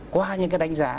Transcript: qua những cái đánh giá